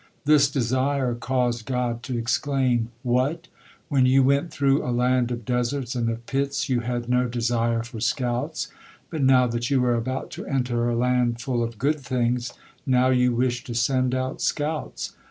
This desire caused God to exclaim: "What! When you went through a land of deserts and of pits, you had no desire for scouts, but now that you are about to enter a land full of good things, now you wish to send out scouts.